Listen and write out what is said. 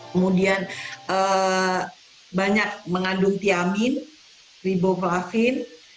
kemudian banyak mengandung tiamin riboflavin